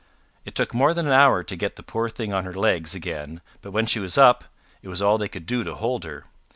It took more than an hour to get the poor thing on her legs again, but when she was up, it was all they could do to hold her.